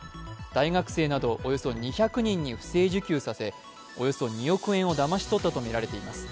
大学生などおよそ２００人に不正受給させ、およそ２億円をだまし取ったとみられています。